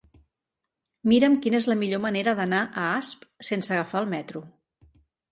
Mira'm quina és la millor manera d'anar a Asp sense agafar el metro.